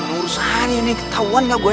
menurusannya nih ketauan gak gue